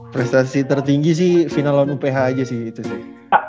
prestasi tertinggi sih final lawan uph aja sih itu sih